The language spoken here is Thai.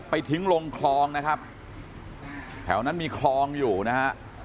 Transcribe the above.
ทิ้งลงคลองนะครับแถวนั้นมีคลองอยู่นะฮะ